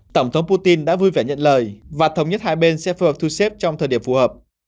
tổng thống putin đã vui vẻ nhận lời và thống nhất hai bên sẽ phù hợp thu xếp trong thời điểm phù hợp